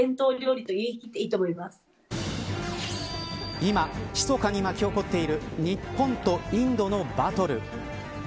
今、ひそかに巻き起こっている日本とインドのバトル。